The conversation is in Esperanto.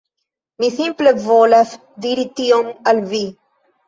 Mi simple volas diri tion al vi.